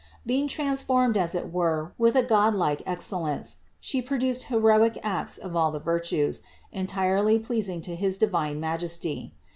Being trans formed as it were with a godlike excellence, She produced heroic acts of all the virtues, entirely pleasing to his divine Majesty.